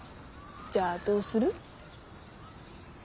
じゃあどうする？